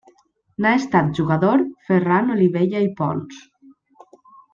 N'ha estat jugador Ferran Olivella i Pons.